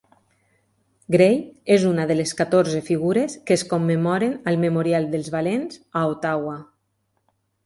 Gray és una de les catorze figures que es commemoren al Memorial dels valents a Ottawa.